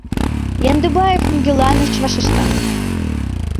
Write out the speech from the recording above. Яндыбаев нигӧлан ыш вашешта.